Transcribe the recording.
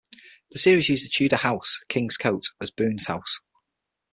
The series used the Tudor house, Kings Cote, as Boon's house.